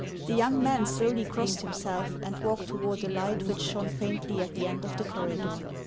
The young man slowly crossed himself, and walked toward a light which shone faintly at the end of the corridor.